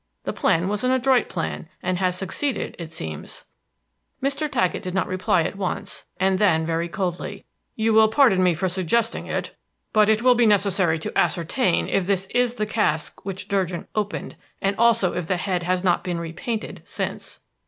The plan was an adroit plan, and has succeeded, it seems." Mr. Taggett did not reply at once, and then very coldly: "You will pardon me for suggesting it, but it will be necessary to ascertain if this is the cask which Durgin hoped, and also if the head has not been repainted since."